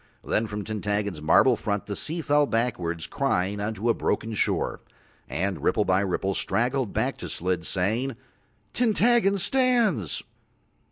Then from Tintaggon's marble front the sea fell backwards crying on to a broken shore, and ripple by ripple straggled back to Slid saying: "Tintaggon stands."